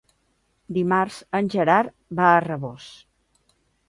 Dimarts en Gerard va a Rabós.